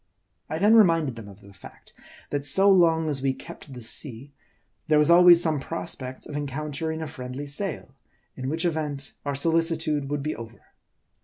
I then reminded them of the fact, that so long as we kept the sea, there was always some prospect of encount ering a friendly sail ; in which event, our solicitude would be over.